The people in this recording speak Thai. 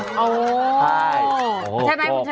ใช่ไหมคุณชนะ